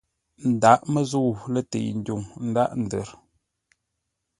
Ndaghʼ məzə̂u lətei ndwuŋ ndaghʼ ndər.